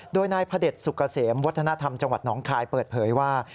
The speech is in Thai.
โดยนายพระเด็จสุกเกษมวัฒนธรรมจังหวัดน้องคายเปิดเผยว่า